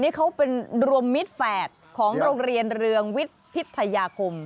นี่เขาเป็นรวมมิตรแฝดของโรงเรียนเรืองวิทย์พิทยาคม